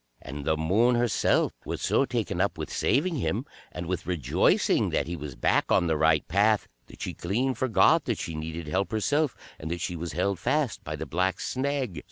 And the Moon herself was so taken up with saving him, and with rejoicing that he was back on the right path, that she clean forgot that she needed help herself, and that she was held fast by the Black Snag.